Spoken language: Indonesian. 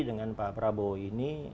dengan pak prabowo ini